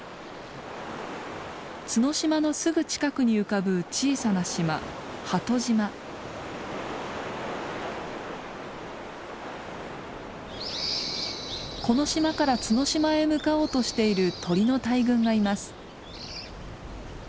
角島のすぐ近くに浮かぶ小さな島この島から角島へ向かおうとしている鳥の大群がいます。